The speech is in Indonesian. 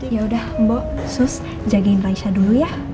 yaudah mbok sus jagain raisa dulu ya